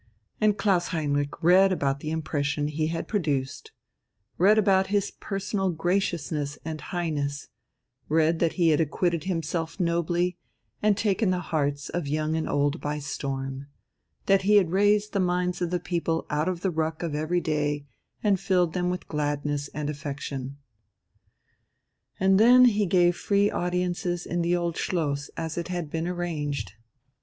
And Klaus Heinrich read about the impression he had produced, read about his personal graciousness and Highness, read that he had acquitted himself nobly and taken the hearts of young and old by storm that he had raised the minds of the people out of the ruck of everyday and filled them with gladness and affection. And then he gave free audiences in the Old Schloss, as it had been arranged.